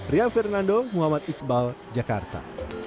ria fernando muhammad iqbal jakarta